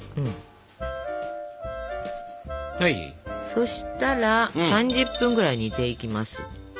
そしたら３０分くらい煮ていきます。